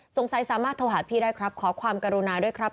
สามารถโทรหาพี่ได้ครับขอความกรุณาด้วยครับ